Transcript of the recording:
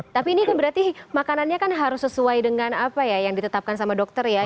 tapi ini kan berarti makanannya kan harus sesuai dengan apa ya yang ditetapkan sama dokter ya